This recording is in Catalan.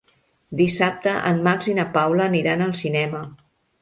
Dissabte en Max i na Paula aniran al cinema.